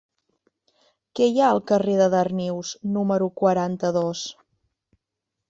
Què hi ha al carrer de Darnius número quaranta-dos?